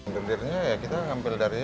pabriknya sudah tidak ada lagi